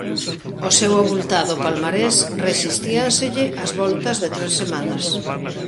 Ao seu avultado palmarés resistíanselle as voltas de tres semanas.